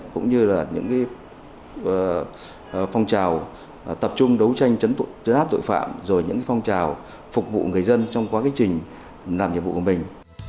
cũng như là những phong trào tập trung đấu tranh chấn áp tội phạm rồi những phong trào phục vụ người dân trong quá trình làm nhiệm vụ của mình